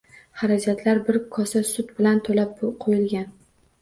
Xarajatlar bir kosa sut bilan toʻlab qoʻyilgan